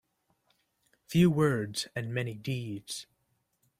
Few words and many deeds.